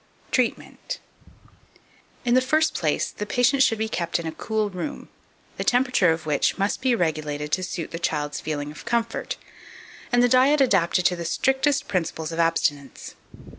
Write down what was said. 2552. Treatment. In the first place, the patient should be kept in a cool room, the temperature of which must be regulated to suit the child's feelings of comfort, and the diet adapted to the strictest principles of abstinence.